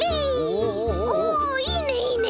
おおいいねいいね。